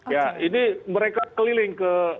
ya ini mereka keliling ke